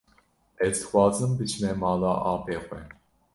Ez dixwazim biçime mala apê xwe.